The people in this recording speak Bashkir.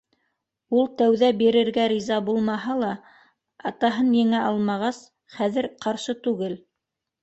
Ул тәүҙә бирергә риза булмаһа ла, атаһын еңә алмағас, хәҙер ҡаршы түгел.